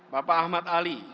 bapak ahmad ali